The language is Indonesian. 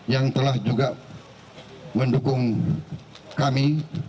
yang telah juga mendukung kami